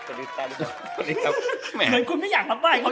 เหมือนคุณไม่อยากรับบ้านเขา